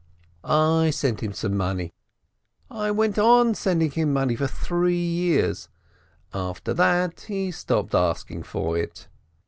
I sent him some money, I went on sending him money for three years, after that he stopped asking for it.